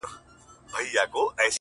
خو ستا به زه اوس هيڅ په ياد كي نه يم،